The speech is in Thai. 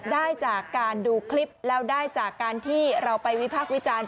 ได้จากการดูคลิปแล้วได้จากการที่เราไปวิพากษ์วิจารณ์